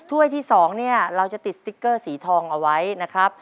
ถ้วยที่๒เนี่ยเราจะติดสติ๊กเกอร์สีทองเอาไว้นะครับ